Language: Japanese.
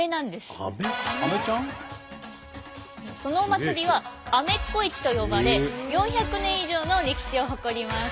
そのお祭りは「アメッコ市」と呼ばれ４００年以上の歴史を誇ります。